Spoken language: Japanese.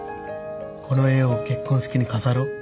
この絵を結婚式に飾ろう。